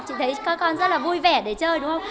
chị thấy các con rất là vui vẻ để chơi đúng không